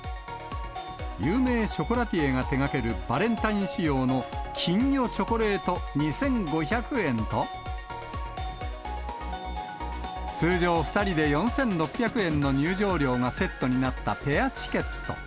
有名ショコラティエが手がけるバレンタイン仕様の金魚チョコレート２５００円と、通常２人で４６００円の入場料がセットになったペアチケット。